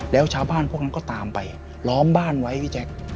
แล้วชาวบ้านพวกนั้นก็ตามไปล้อมบ้านไว้พี่แจ๊ค